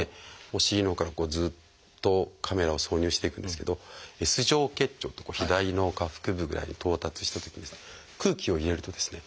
お尻のほうからずっとカメラを挿入していくんですけどＳ状結腸って左の下腹部ぐらいに到達したときに空気を入れるとですね